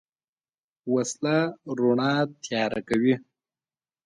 وسله رڼا تیاره کوي